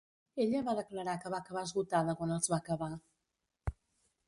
Ella va declarar que va acabar esgotada quan els va acabar.